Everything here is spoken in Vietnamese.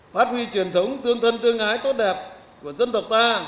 phát huy truyền thống tương thân tương ái tốt đẹp của dân tộc ta